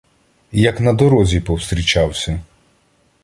Як на дорозі повстрічався